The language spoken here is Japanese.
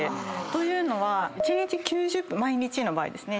というのは一日９０毎日の場合ですね。